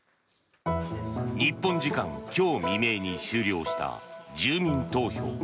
日本時間今日未明に終了した住民投票。